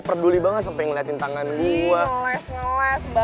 peduli banget sampai ngeliatin tangan gue